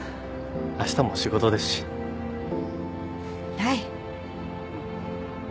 はい。